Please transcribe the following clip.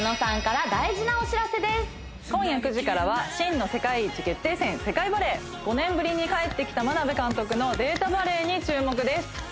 ここで今夜９時からは真の世界一決定戦世界バレー５年ぶりに帰ってきた眞鍋監督のデータバレーに注目です